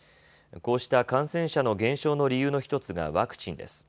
こうした感染者の減少の理由の１つがワクチンです。